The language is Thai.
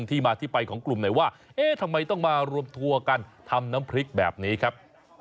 ที่มาที่ไปของกลุ่มไหนว่าเอ๊ะทำไมต้องมารวมทัวร์กันทำน้ำพริกแบบนี้ครับ